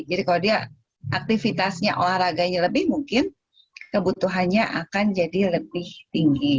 kalau dia aktivitasnya olahraganya lebih mungkin kebutuhannya akan jadi lebih tinggi